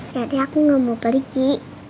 jadi aku gak mau pergi